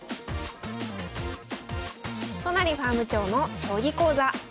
都成ファーム長の将棋講座。